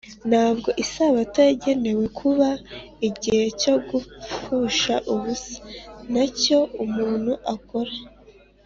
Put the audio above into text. Ntabwo Isabato yagenewe kuba igihe cyo gupfusha ubusa ntacyo umuntu akora.